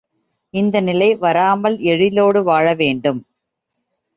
இந்த நிலை வராமல் எழிலோடு வாழவேண்டும்.